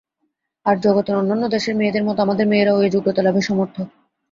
আর জগতের অন্যান্য দেশের মেয়েদের মত আমাদের মেয়েরাও এ যোগ্যতা-লাভে সমর্থ।